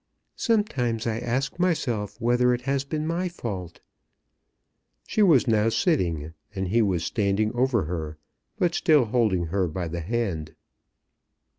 "Sometimes I ask myself whether it has been my fault." She was now sitting, and he was standing over her, but still holding her by the hand.